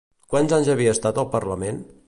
Quants anys havia estat al Parlament?